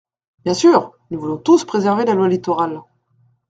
Bien sûr ! Nous voulons tous préserver la loi Littoral.